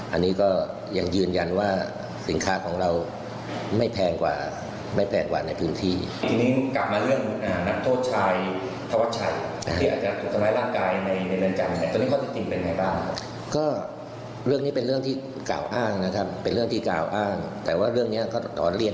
อันนี้ก็ยังยืนยันว่าสินค้าของเราไม่แพงกว่าไม่แพงกว่าในพื้นที่